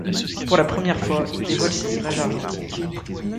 Pour la première fois il dévoile ses images argentiques.